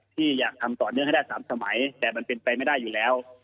ที่อยากทำต่อเนื่องให้ได้๓สมัยแต่มันเป็นไปไม่ได้อยู่แล้ว